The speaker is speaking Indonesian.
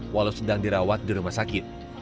walau sedang dirawat di rumah sakit